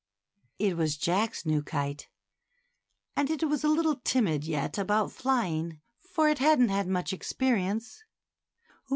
It was Jack's new kite, and it was a little timid yet about flying, for it hadn't had much experience.